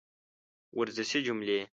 ورزشي جملې